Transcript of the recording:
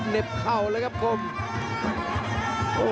แนบเข่าเลยครับครับโอ้โห